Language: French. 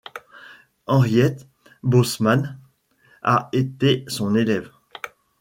Henriëtte Bosmans a été son élève.